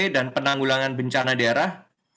dan penanggulangan bencana daerah